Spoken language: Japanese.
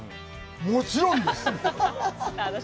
もちろんです！